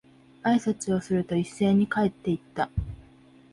挨拶をすると、一斉に帰って行った。